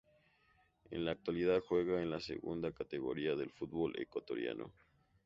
En la actualidad juega en la Segunda Categoría del fútbol ecuatoriano.